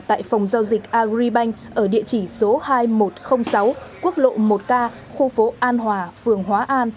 tại phòng giao dịch agribank ở địa chỉ số hai nghìn một trăm linh sáu quốc lộ một k khu phố an hòa phường hóa an